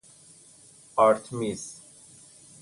آرتمیز